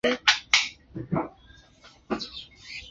奥多尼奥立即开始兴兵以协助他的父亲声讨王位。